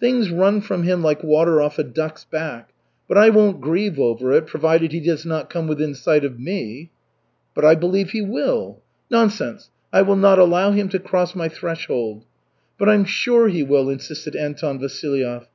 "Things run from him like water off a duck's back. But I won't grieve over it, provided he does not come within sight of me." "But I believe he will." "Nonsense, I will not allow him to cross my threshold." "But I'm sure he will," insisted Anton Vasilyev.